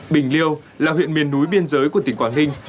bình liêu là huyện miền núi biên giới của tỉnh quảng ninh